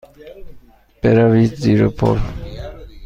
بروید زیر پل.